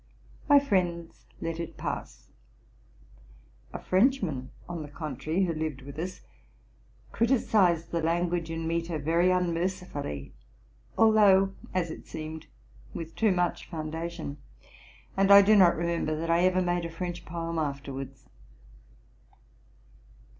My friends let it pass: a Frenchman, on the contrary, who lived with us, criticised the language and metre very unmercifully, although, as it seemed, with too much foundation ; and I do not remember that I ever made a French poem afterwards.